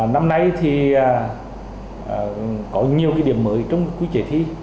năm nay thì có nhiều cái điểm mới trong quy chế thi